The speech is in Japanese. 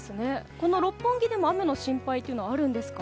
この六本木でも雨の心配はあるんですか？